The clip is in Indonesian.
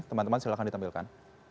teman teman silakan ditampilkan